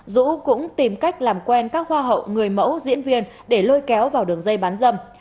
dũ cũng tìm cách làm quen các hoa hậu người mẫu diễn viên để lôi kéo vào đường dây bán dâm